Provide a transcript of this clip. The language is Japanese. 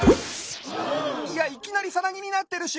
いやいきなりさなぎになってるし！